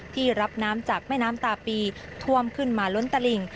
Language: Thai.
ที่รับน้ำจากแม่น้ำตาปีท่วมขึ้นมาล้นตลิ่ง